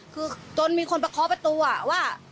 คือจนมีคนประเคาะประตูว่า